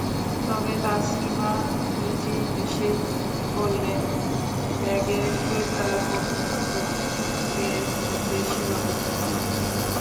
তবে তাসলিমা মিজি হেসেই বললেন, ব্যাগের ক্রেতা বন্ধুবান্ধবের মধ্যে সীমাবদ্ধ নেই।